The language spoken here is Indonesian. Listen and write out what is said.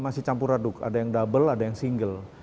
masih campur aduk ada yang double ada yang single